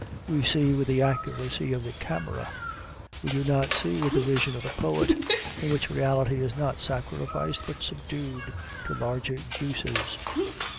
We see with the accuracy of the camera; we do not see with the vision of the poet, in which reality is not sacrificed, but subdued to larger uses.